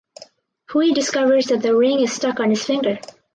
Huey discovers that the ring is stuck on his finger.